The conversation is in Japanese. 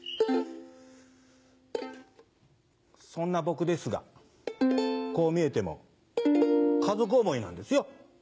そんな僕ですが、こう見えても、家族思いなんですよ。